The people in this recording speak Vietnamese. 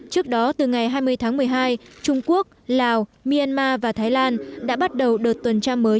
trước đó từ ngày hai mươi tháng một mươi hai trung quốc lào myanmar và thái lan đã bắt đầu đợt tuần tra mới